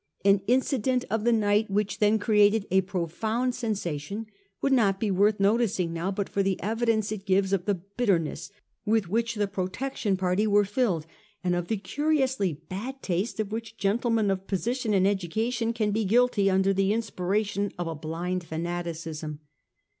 An incident of the night, which then created a profound sensation, would not be worth noticing now but for the evidence it gives of the bitterness with which the Protection party were filled, and of the curiously bad taste of which gentle men of position and education can be guilty under the inspiration of a blind fanaticism.